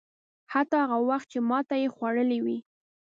حتی هغه وخت چې ماته یې خوړلې وي.